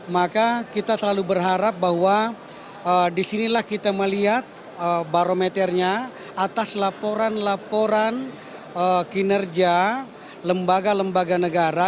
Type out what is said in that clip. maka kita selalu berharap bahwa disinilah kita melihat barometernya atas laporan laporan kinerja lembaga lembaga negara